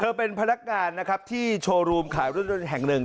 เธอเป็นพนักงานที่โชว์รูมขายรูดท่วนแห่ง๑